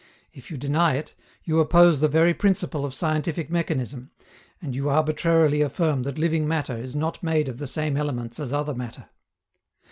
If you deny it, you oppose the very principle of scientific mechanism, and you arbitrarily affirm that living matter is not made of the same elements as other matter."